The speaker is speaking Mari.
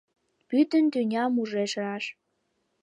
Пӱтынь тӱням ужеш раш.